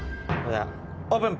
オープン！